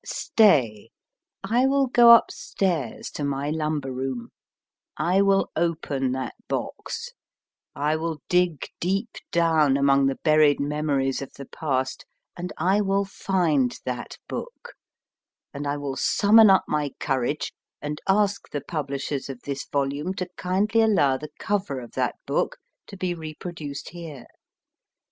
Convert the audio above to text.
THE HALL Stay I will go upstairs to my lumber room, I will open that box, I will dig deep down among the buried memories of the past, and I will find that book, and I will summon up my courage and ask the publishers of this volume to kindly allow the cover of that book to be reproduced here.